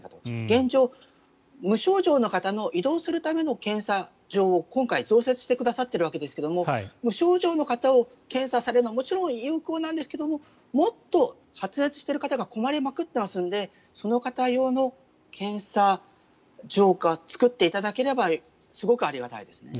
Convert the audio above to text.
現状、無症状の方の移動するための検査場を今回、増設してくださっているわけですが無症状の方を検査されるのはもちろん有効なんですけどもっと発熱していることが困りまくっていますのでその方用の検査場を作っていただければすごくありがたいですね。